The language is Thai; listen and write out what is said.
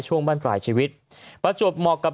บ้านปลายชีวิตประจวบเหมาะกับ